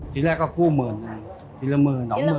ทีแรกก็กู้หมื่นครับทีละหมื่นหนาวหมื่น